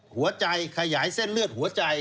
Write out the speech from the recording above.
หัวใจขยายเส้นเลือดหัวใจ